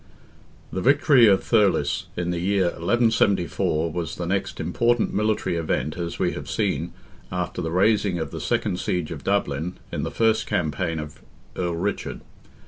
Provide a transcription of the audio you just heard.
The victory of Thurles, in the year 1174, was the next important military event, as we have seen, after the raising of the second siege of Dublin, in the first campaign of Earl Richard.